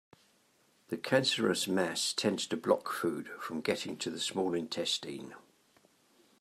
The cancerous mass tends to block food from getting to the small intestine.